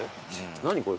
何これ？